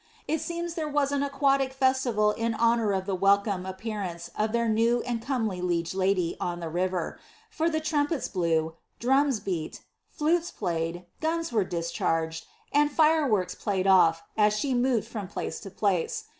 It seems there was an aquatic festival in honour of the welcome appearance of their new and comely liege lady on the river, for the trumpets blew, drums beat, flutes played, guns were discharged, and fireworks played ofiT, as she moved from place to place.